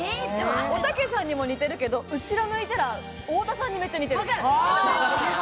おたけさんには似てるけど、後ろ向いたら太田さんにも似てる。